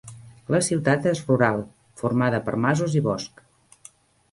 La ciutat és rural, formada per masos i bosc.